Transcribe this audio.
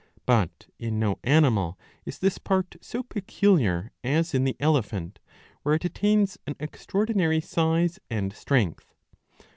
But in no animal is this part so peculiar as in the elephant, where it attains an extraordinary size and strength.